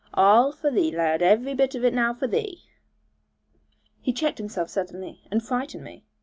Arl for thee, lad; every bit of it now for thee!' He checked himself suddenly, and frightened me.